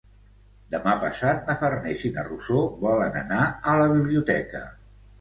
Demà passat na Farners i na Rosó volen anar a la biblioteca.